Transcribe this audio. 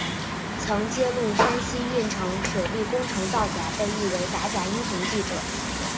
曾揭露山西运城水利工程造假被誉为打假英雄记者。